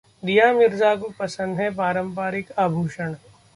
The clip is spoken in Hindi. दीया मिर्जा को पसंद हैं पारम्परिक आभूषण